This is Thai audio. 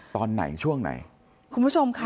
ตอนไหนช่วงไหนคุณผู้ชมค่ะ